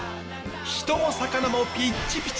人も魚もピッチピチ！